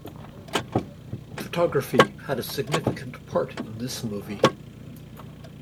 Photography had a significant part in this movie.